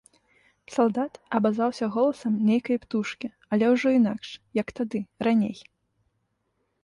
Салдат абазваўся голасам нейкай птушкі, але ўжо інакш, як тады раней.